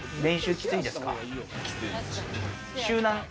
きついです。